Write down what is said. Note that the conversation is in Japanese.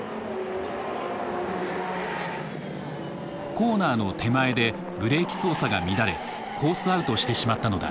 コーナーの手前でブレーキ操作が乱れコースアウトしてしまったのだ。